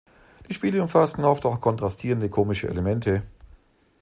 Die Spiele umfassten oft auch kontrastierende komische Elemente.